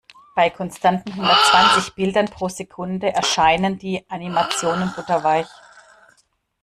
Bei konstanten hundertzwanzig Bildern pro Sekunde erscheinen die Animationen butterweich.